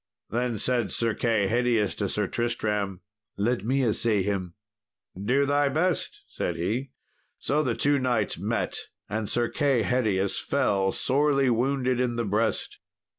Then said Sir Kay Hedius to Sir Tristram, "Let me assay him." "Do thy best," said he. So the two knights met, and Sir Kay Hedius fell sorely wounded in the breast.